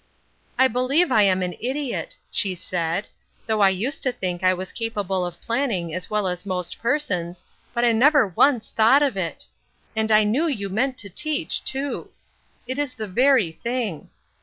" I believe I am an idiot !'* she said. " Though I used to think I was capable of planning as well as most persons, but I never once thought of it I And I knew you meant to teach, too. It is the very thing.